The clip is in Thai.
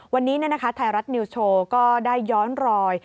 วันนี้ไทยรัฐนิวส์โชว์ก็ได้ย้อนรอย